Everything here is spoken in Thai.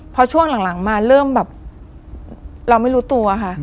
พอช่วงหลังมาเริ่มแบบเราไม่รู้ตัวค่ะ